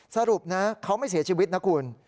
สรุปนะเขาไม่เสียชีวิตนะคุณ